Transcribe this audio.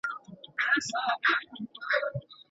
د خدماتو بیه څنګه ټاکل کیږي؟